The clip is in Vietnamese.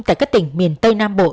tại các tỉnh miền tây nam bộ